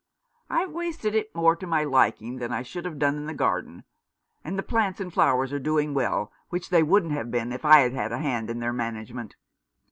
" I've wasted it more to my liking than I should have done in the garden ; and the plants and flowers are doing well, which they wouldn't have been if I had had a hand in their management.